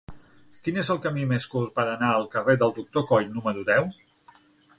Quin és el camí més curt per anar al carrer del Doctor Coll número deu?